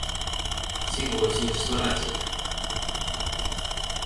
Cikos Jūs slēdzat?